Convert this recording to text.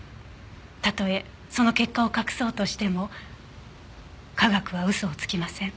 たとえその結果を隠そうとしても科学は嘘をつきません。